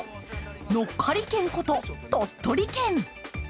のっかり県こと、鳥取県。